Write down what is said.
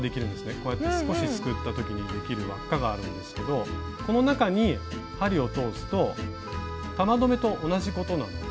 こうやって少しすくった時にできる輪っかがあるんですけどこの中に針を通すと玉留めと同じことなので。